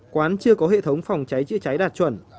quán chưa có hệ thống phòng cháy chữa cháy đạt chuẩn